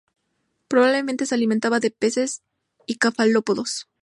Probablemente se alimenta de peces y cefalópodos.